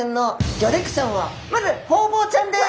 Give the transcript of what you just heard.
まずホウボウちゃんです！